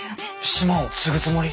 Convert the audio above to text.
島を継ぐつもり？